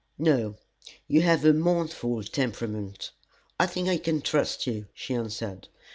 "No; you have a mournful temperament. I think I can trust you," she answered.